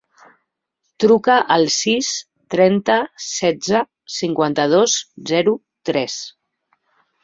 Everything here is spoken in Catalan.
Truca al sis, trenta, setze, cinquanta-dos, zero, tres.